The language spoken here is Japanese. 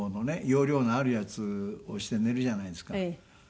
容量のあるやつをして寝るじゃないですか。